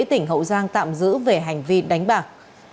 tỉnh hậu giang tạm giữ về hành vi đánh bạc